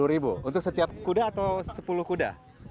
lima puluh ribu untuk setiap kuda atau sepuluh kuda